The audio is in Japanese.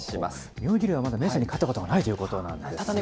妙義龍はまだ明生に勝ったことがないということなんですね。